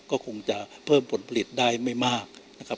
ก็คงจะเพิ่มผลผลิตได้ไม่มากนะครับ